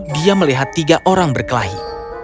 dia melihat tiga orang berkelahi